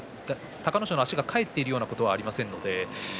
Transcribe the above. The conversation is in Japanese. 隆の勝の足が返っているようなことはありません。